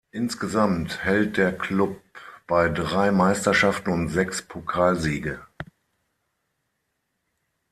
Insgesamt hält der Klub bei drei Meisterschaften und sechs Pokalsiege.